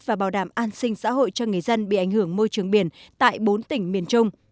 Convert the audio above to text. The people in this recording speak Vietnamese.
và bảo đảm an sinh xã hội cho người dân bị ảnh hưởng môi trường biển tại bốn tỉnh miền trung